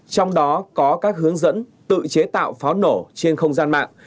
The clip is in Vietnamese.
trong đó có các hướng dẫn tự chế tạo pháo nổ trên không gian mạng